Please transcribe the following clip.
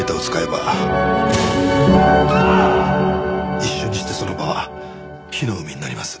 一瞬にしてその場は火の海になります。